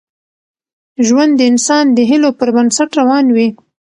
ژوند د انسان د هیلو پر بنسټ روان وي.